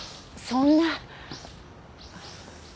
そんな。